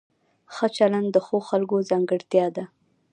ښه چلند د ښو خلکو ځانګړتیا ده.